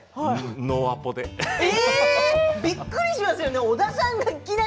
びっくりしますよね。